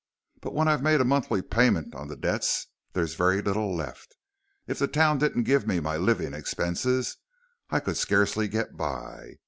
But when I've made a monthly payment on the debts, there's very little left. If the town didn't give me my living expenses, I could scarcely get by.